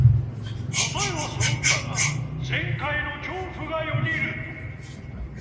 答えはそろったが前回の恐怖がよぎる